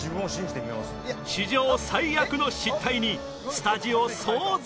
史上最悪の失態にスタジオ騒然！